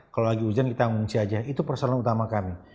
kalau lagi hujan kita mengungsi aja itu persoalan utama kami